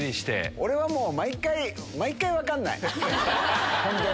俺はもう、毎回、毎回分かんない、本当に。